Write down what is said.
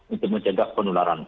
untuk mencegah penularan